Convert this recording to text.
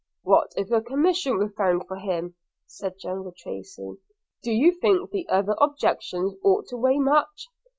'What if a commission were found for him,' said General Tracy, 'do you think the other objections ought to weigh much?